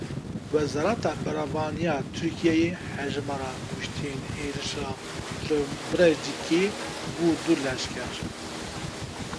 Wezareta Berevaniya Tirkiyeyê Hejmara kuştiyên êrişa li Birecikê bû du leşker.